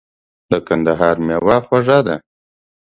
د کندهار مېوه خوږه ده .